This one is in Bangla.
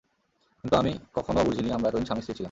কিন্তু আমি কখনো বুঝিনি আমরা এতদিন স্বামী স্ত্রী-ই ছিলাম।